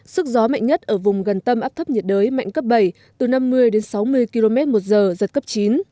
sức gió mạnh nhất ở vùng gần tâm áp thấp nhiệt đới mạnh cấp bảy từ năm mươi đến sáu mươi km một giờ giật cấp chín